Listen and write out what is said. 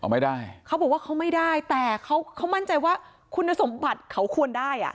ไม่ได้เขาบอกว่าเขาไม่ได้แต่เขาเขามั่นใจว่าคุณสมบัติเขาควรได้อ่ะ